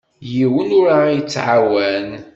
Yiwen ur aɣ-yettɛawan.